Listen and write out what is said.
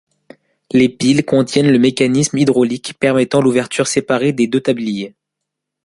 Les piles contiennent le mécanisme hydraulique permettant l'ouverture séparée des deux tabliers.